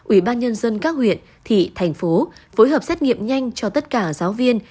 ủy ban nhân dân các huyện thị thành phố phối hợp xét nghiệm nhanh cho tất cả giáo viên